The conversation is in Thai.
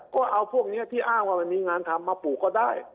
ก็เอาพวกนี้ที่อ้างว่ามันมีงานทำมาปลูกก็ได้